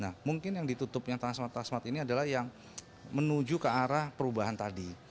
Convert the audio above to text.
nah mungkin yang ditutupnya transmat transmart ini adalah yang menuju ke arah perubahan tadi